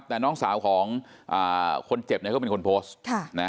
แต่น้องสาวของคนเจ็บก็เป็นคนโพสต์